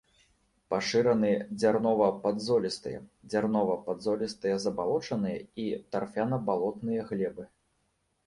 Пашыраны дзярнова-падзолістыя, дзярнова-падзолістыя забалочаныя і тарфяна-балотныя глебы.